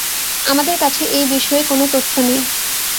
আমাদের কাছে এই বিষয়ে কোনো তথ্য নেই।